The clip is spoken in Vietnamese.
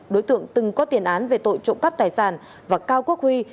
đối tượng từng có tiền án về tội trộm cắp tài sản và cao quốc huy